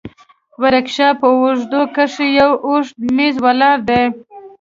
د ورکشاپ په اوږدو کښې يو اوږد مېز ولاړ دى.